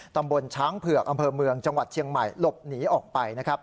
ตำบลช้างเผือกอำเภอเมืองจังหวัดเชียงใหม่หลบหนีออกไปนะครับ